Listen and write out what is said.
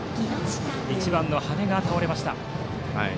１番の羽根が倒れました。